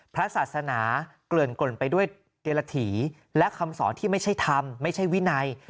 พระศาสนาเกลื่อนกล่นไปด้วยเกลถีและคำสอนที่ไม่ใช่ธรรมไม่ใช่วินัย